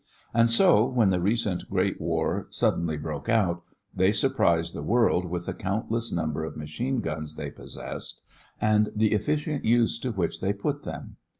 And so, when the recent great war suddenly broke out, they surprised the world with the countless number of machine guns they possessed and the efficient use to which they put them.